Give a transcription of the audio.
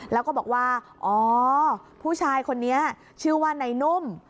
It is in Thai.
แล้วก็บอกว่าอ๋อผู้ชายคนนี้ชื่อว่านายนุ่ม